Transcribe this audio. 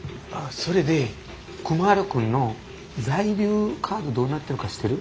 それでクマラ君の在留カードどうなってるか知ってる？